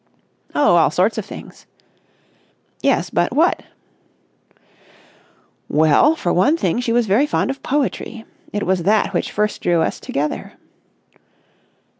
"Oh, all sorts of things." "Yes, but what?" "Well, for one thing she was very fond of poetry. It was that which first drew us together."